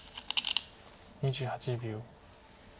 ２８秒。